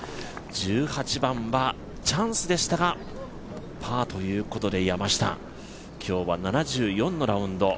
１８番はチャンスでしたがパーということで山下、今日は７４のラウンド。